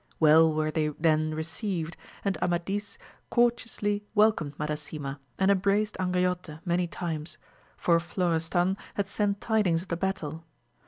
Well were they then received, and Amadis courteously welcomed Madasima, and embraced Angriote many times, for Florestan had sent tidings of the battle.